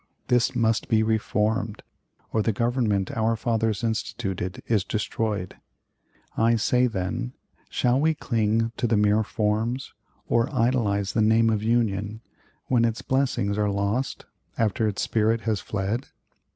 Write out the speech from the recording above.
This must be reformed, or the Government our fathers instituted is destroyed. I say, then, shall we cling to the mere forms or idolize the name of Union, when its blessings are lost, after its spirit has fled?